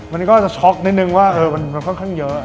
มันก็จะช็อกนิดนึงว่ามันค่อนข้างเยอะ